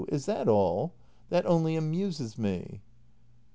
Is that all? That only amuses me.